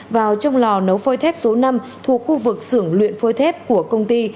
vào trong lò nấu phơi thép số năm thuộc khu vực xưởng luyện phôi thép của công ty